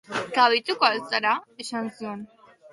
Kabituko al naiz?, esan nion.